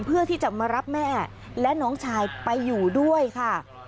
เพื่อที่จะมารับแม่และน้องชายไปอยู่ด้วยค่ะ